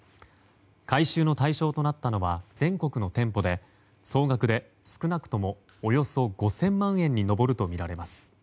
回収の対象となったのは全国の店舗で総額で少なくともおよそ５０００万円に上るとみられます。